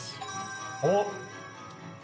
おっ！